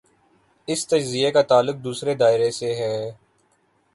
اس تجزیے کا تعلق دوسرے دائرے سے ہے۔